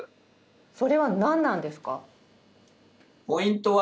それは何なんですか？